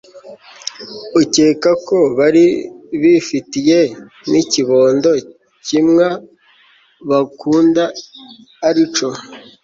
Ukekako bari bifitiye nikibondo kimwa bakunda arico